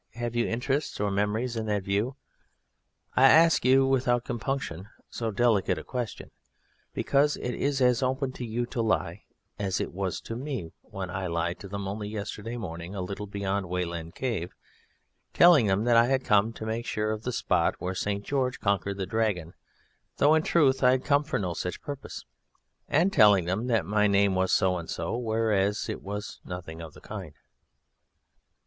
Have you interests or memories in that view? I ask you without compunction so delicate a question because it is as open to you to lie as it was to me when I lied to them only yesterday morning, a little beyond Wayland's Cave, telling them that I had come to make sure of the spot where St. George conquered the Dragon, though, in truth, I had come for no such purpose, and telling them that my name was so and so, whereas it was nothing of the kind."